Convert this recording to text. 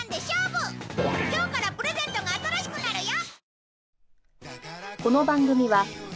今日からプレゼントが新しくなるよ！